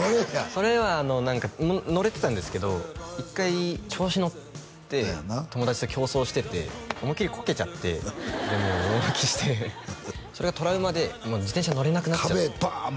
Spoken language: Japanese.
それは乗れてたんですけど一回調子のって友達と競走してて思いっきりこけちゃってでもう大泣きしてそれがトラウマで自転車乗れなくなっちゃって壁へバン！